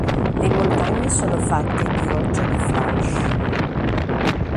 Le montagne sono fatte di roccia di Flysch.